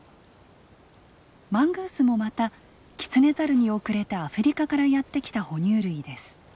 マングースもまたキツネザルに後れてアフリカからやって来た哺乳類です。